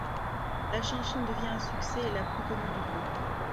La chanson devient un succès et la plus connue du groupe.